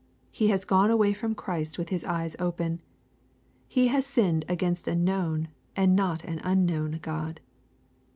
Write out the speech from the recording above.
He has gone away from Christ with his eyes open. He has sinned against a known, and not an unknown God.